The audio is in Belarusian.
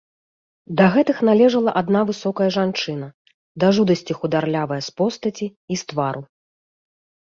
Да гэтых належала адна высокая жанчына, да жудасці хударлявая з постаці і з твару.